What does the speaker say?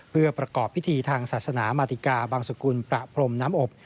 เพื่อประกอบพิธีทางศาสนามาติกาบางสกุลประพรมน้ำอบ